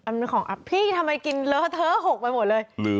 มันเป็นของอัพพี่ทำไมกินเลอะเทอะ๖ไปหมดเลย